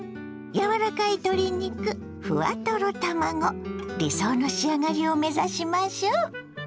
柔らかい鶏肉ふわトロ卵理想の仕上がりを目指しましょう。